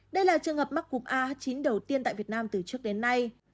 đây là trường hợp mắc cục a chín đầu tiên tại việt nam từ trước đến nay